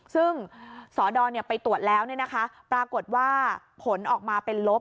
ซึ่งสอดไปตรวจแล้วปรากฏว่าผลออกมาเป็นลบ